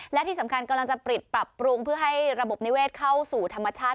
และที่สำคัญกำลังจะปิดปรับปรุงเพื่อให้ระบบนิเวศเข้าสู่ธรรมชาติ